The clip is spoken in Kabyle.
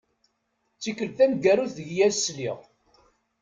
D tikelt taneggarut deg i as-sliɣ.